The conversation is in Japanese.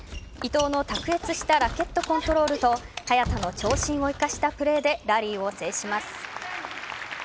伊藤の卓越したラケットコントロールと早田の長身を生かしたプレーでラリーを制します。